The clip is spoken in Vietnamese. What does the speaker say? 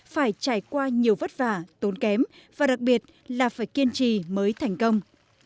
phải trải qua nhiều vất vả tốn kém và đặc biệt là phải kiên trì mới thành công